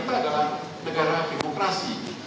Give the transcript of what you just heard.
yang kita punya hak untuk menentukan kebijakan